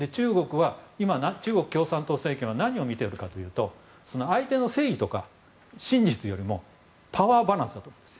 今、中国共産党政権は何を見ているかといいますと相手の正義とか真実よりもパワーバランスだと思うんです。